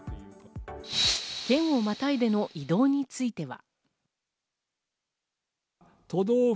県をまたいでの移動については。